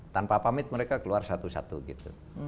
tanpa pamit mereka keluar satu satu gitu